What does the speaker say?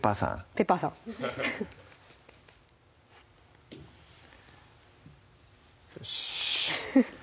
ペッパーさんよしっ！